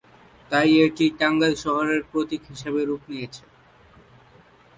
তাই এটি টাঙ্গাইল শহরের প্রতীক হিসেবে রূপ নিয়েছে।